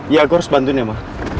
ya aku harus bantuin ya ma